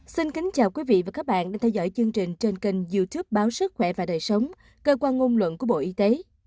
xin kính chào quý vị và các bạn đang theo dõi chương trình trên kênh youtube báo sức khỏe và đời sống cơ quan ngôn luận của bộ y tế